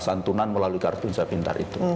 santunan melalui kartu indonesia pintar itu